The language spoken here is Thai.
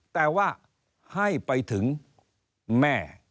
แต่ว่าให้ไปถึงแม่